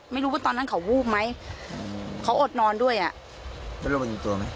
ไม่รู้ว่าตอนนั้นเขาวูบไหมเขาอดนอนด้วยอ่ะ